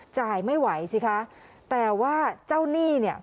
จ่ายไม่ไหวกันสิค่ะแต่ว่าเจ้านี่เนี่ยเนี่ย